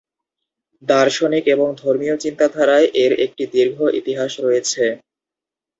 দার্শনিক এবং ধর্মীয় চিন্তাধারায় এর একটি দীর্ঘ ইতিহাস রয়েছে।